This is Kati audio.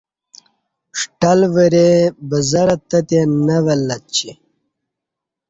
ݜٹل وریئں بزرہ تتی کہ نہ ولہ ڄی